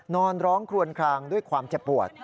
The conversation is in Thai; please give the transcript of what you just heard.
นอนร้องคลวนคลางด้วยความเจ็บปวด